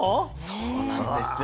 そうなんですよ。